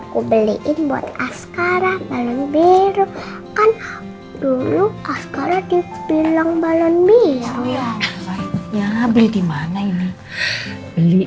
kedua duanya tipe tipe pengacara harus baik